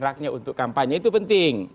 raknya untuk kampanye itu penting